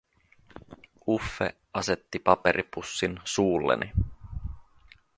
Uffe asetti paperipussin suulleni.